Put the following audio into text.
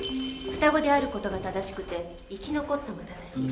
「双子である」事が正しくて「生き残った」も正しい。